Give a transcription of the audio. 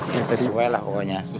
sesuai lah pokoknya